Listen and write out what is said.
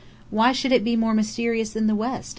_ Why should it be more mysterious than the West?